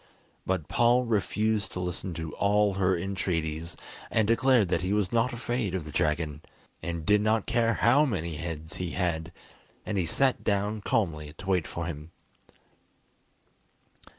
But Paul refused to listen to all her entreaties, and declared that he was not afraid of the dragon, and did not care how many heads he had; and he sat down calmly to wait for him.